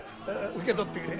受け取ってくれ。